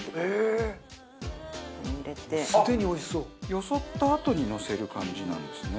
よそったあとにのせる感じなんですね。